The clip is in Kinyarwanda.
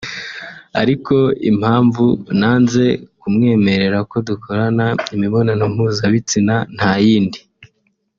Ariko impamvu nanze kumwemerera ko dukorana imibonano mpuzabitsina nta yindi